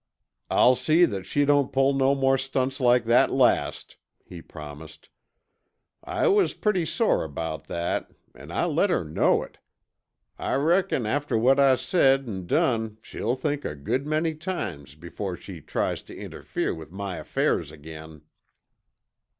"I'll see that she don't pull no more stunts like that last," he promised. "I was pretty sore about that, an' I let her know it. I reckon after what I said an' done she'll think a good many times before she tries tuh interfere with my affairs again."